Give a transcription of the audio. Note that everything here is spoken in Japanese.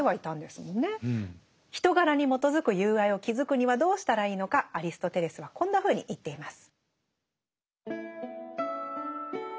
人柄に基づく友愛を築くにはどうしたらいいのかアリストテレスはこんなふうに言っています。